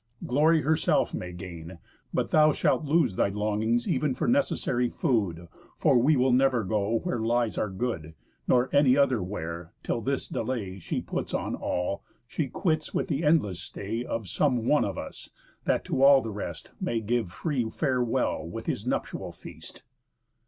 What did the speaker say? Glory herself may gain, but thou shalt lose Thy longings ev'n for necessary food, For we will never go where lies our good, Nor any other where, till this delay She puts on all she quits with th' endless stay Of some one of us, that to all the rest May give free farewell with his nuptial feast."